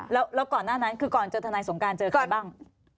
แล้วก่อนหน้านั้นคือก่อนเจอทนายสงการเจอใครบ้าง